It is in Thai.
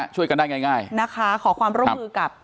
ช่วยกันได้ง่าย